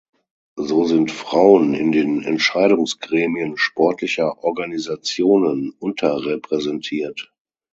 So sind Frauen in den Entscheidungsgremien sportlicher Organisationen unterrepräsentiert.